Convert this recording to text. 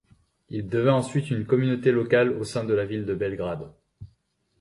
Il devint ensuite une communauté locale au sein de la ville de Belgrade.